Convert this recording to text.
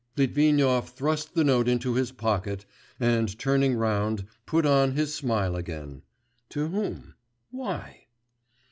Litvinov thrust the note into his pocket, and, turning round, put on his smile again ... to whom? why?